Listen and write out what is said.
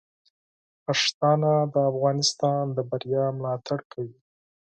پښتانه د افغانستان د بریا ملاتړ کوي.